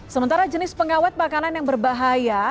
sementara jenis pengawet makanan yang berbahaya